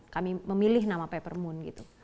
kami memilih nama peppermoon